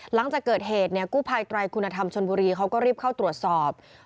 หลังจากเกิดเหตุเนี่ยกู้ภัยไตรคุณธรรมชนบุรีเขาก็รีบเข้าตรวจสอบ